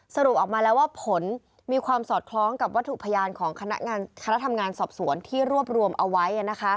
สรุปออกมาแล้วว่าผลมีความสอดคล้องกับวัตถุพยานของคณะทำงานสอบสวนที่รวบรวมเอาไว้